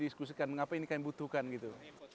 ini diskusikan mengapa ini kalian butuhkan gitu